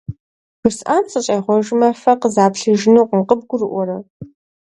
ЖысӀам сыхущӀегъуэжмэ фэ къызаплъыжынукъым, къыбгурыӀуэрэ?